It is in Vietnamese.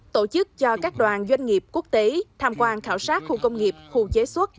tổ chức cho các đoàn doanh nghiệp quốc tế tham quan khảo sát khu công nghiệp khu chế xuất